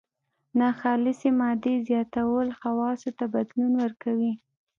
ناخالصې مادې زیاتول خواصو ته بدلون ورکوي.